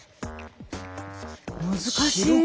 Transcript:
難しい。